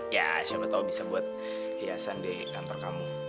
ya siapa tau bisa buat hiasan di kantor kamu